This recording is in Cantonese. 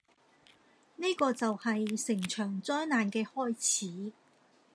呢個就係成場災難嘅開始